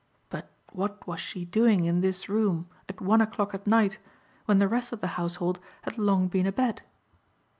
But what was she doing in this room at one o'clock at night when the rest of the household had long been abed?